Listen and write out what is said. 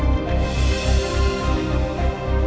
kita bisa berdua kita bisa berdua